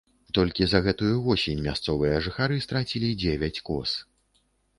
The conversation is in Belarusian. Толькі за гэтую восень мясцовыя жыхары страцілі дзевяць коз.